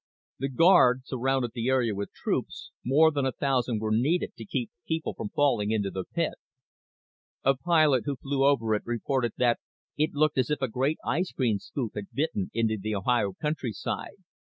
The guard surrounded the area with troops more than a thousand were needed to keep people from falling into the pit. A pilot who flew over it reported that it looked as if a great ice cream scoop had bitten into the Ohio countryside.